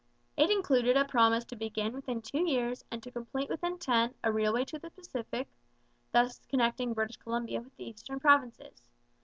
It included a promise to begin within two years and to complete within ten a railway to the Pacific, thus connecting British Columbia with the eastern provinces.